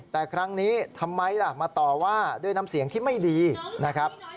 แต่ครั้งนี้ทำไมล่ะมาต่อว่าด้วยน้ำเสียงที่ไม่ดีนะครับ